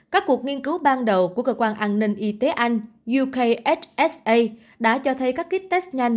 các cuộc nghiên cứu ban đầu của cơ quan an ninh y tế anh yuksssa đã cho thấy các kit test nhanh